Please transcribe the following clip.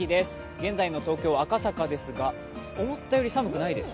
現在の東京・赤坂ですが思ったより寒くないです。